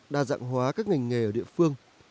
đa dạng hóa các ngành nghề ở địa bàn